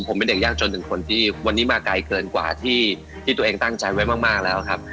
ผมเป็นเด็กยากจนถึงคนที่วันนี้มาไกลเกินกว่าที่ตัวเองตั้งใจไว้มากแล้วครับ